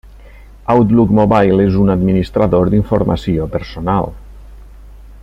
Outlook Mobile és un administrador d'informació personal.